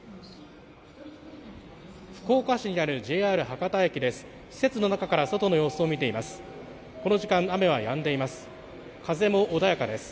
福岡市にあるＪＲ博多駅です。